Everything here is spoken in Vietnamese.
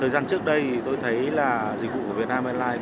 thời gian trước đây thì tôi thấy là dịch vụ của việt nam airlines